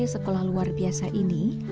sekolah luar biasa ini